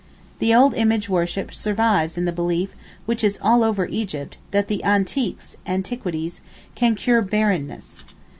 The old image worship survives in the belief, which is all over Egypt, that the 'Anteeks' (antiques) can cure barrenness.